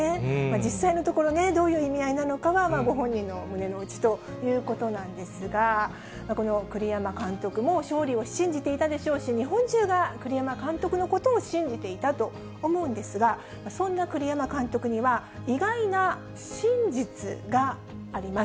実際のところね、どういう意味合いなのかは、ご本人の胸の内ということなんですが、この栗山監督も勝利を信じていたでしょうし、日本中が栗山監督のことを信じていたと思うんですが、そんな栗山監督には、意外な信実があります。